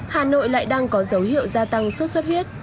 hà nội lại đang có dấu hiệu gia tăng xuất xuất huyết